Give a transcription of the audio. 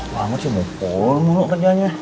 aku amat sih mumpul mulu kerjanya